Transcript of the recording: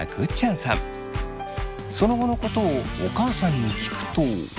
その後のことをお母さんに聞くと。